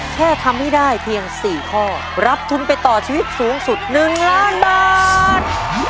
แค่ทำให้ได้เพียง๔ข้อรับทุนไปต่อชีวิตสูงสุด๑ล้านบาท